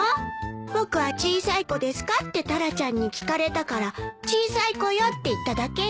「僕は小さい子ですか？」ってタラちゃんに聞かれたから「小さい子よ」って言っただけよ。